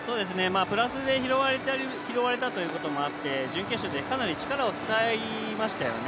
プラスで拾われたということもあって、準決勝でかなり力を使いましたよね。